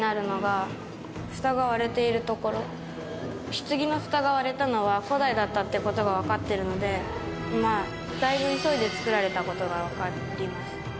棺のフタが割れたのは古代だったって事がわかってるのでまあだいぶ急いで作られた事がわかります。